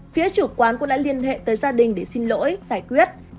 phía chủ quán cũng đã liên hệ tới gia đình để xin lỗi giải quyết